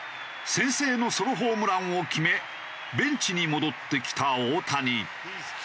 先制のソロホームランを決めベンチに戻ってきた大谷。